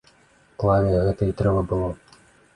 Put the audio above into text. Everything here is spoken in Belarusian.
Клаве гэта і трэба было.